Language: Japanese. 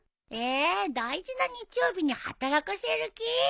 ええ大事な日曜日に働かせる気？